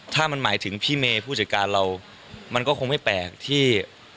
ถ้ามันหมายถึงพี่เมย์ผู้จัดการเรามันก็คงไม่แปลกที่